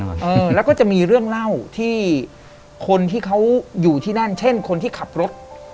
เออแล้วก็จะมีเรื่องเล่าที่คนที่เขาอยู่ที่นั่นเช่นคนที่ขับรถ